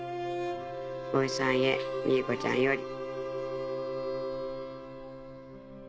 おいさんへミーコちゃんより」。